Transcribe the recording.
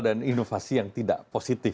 dan inovasi yang tidak positif